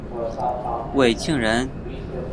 讳庆仁。